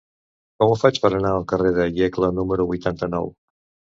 Com ho faig per anar al carrer de Iecla número vuitanta-nou?